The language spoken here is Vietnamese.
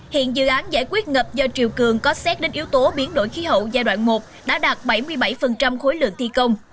hiện dự án giải quyết ngập do triều cường có xét đến yếu tố biến đổi khí hậu giai đoạn một đã đạt bảy mươi bảy khối lượng thi công